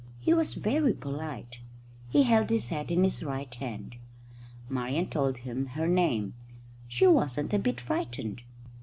He was very polite. He held his hat in his right hand. Marian told him her name. She wasn't a bit frightened.